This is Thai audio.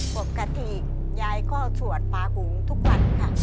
ปกติยายก็สวดปลาหุงทุกวันค่ะ